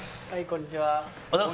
こんにちは。